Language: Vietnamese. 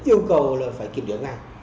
yêu cầu phải kiểm đoán ngay